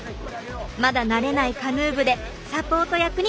まだ慣れないカヌー部でサポート役に徹しています。